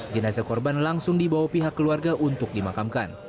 jenazah korban langsung dibawa pihak keluarga untuk dimakamkan